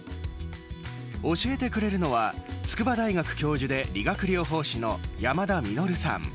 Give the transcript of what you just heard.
教えてくれるのは筑波大学教授で理学療法士の山田実さん。